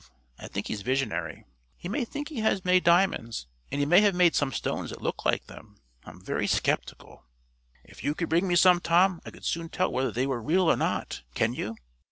I think he's visionary. He may think he has made diamonds, and he may have made some stones that look like them. I'm very skeptical." "If you could bring me some, Tom, I could soon tell whether they were real or not. Can you?"